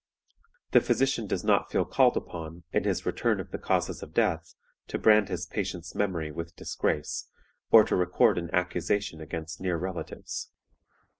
The physician does not feel called upon, in his return of the causes of death, to brand his patient's memory with disgrace, or to record an accusation against near relatives.